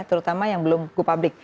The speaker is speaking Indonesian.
terutama yang belum go public